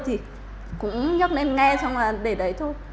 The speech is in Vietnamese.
thì cũng nhấc lên nghe xong là để đấy thôi